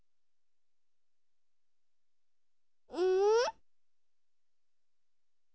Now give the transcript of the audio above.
うん？